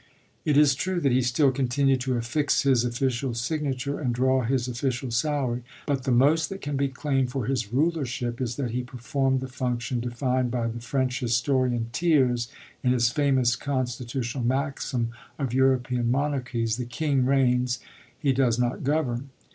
It is true that he still continued to affix his official signature and draw his official salary ; but the most that can be claimed for his rulership is that he performed the function defined by the French historian Thiers in his famous constitu tional maxim of European monarchies :" The king reigns; he does not govern."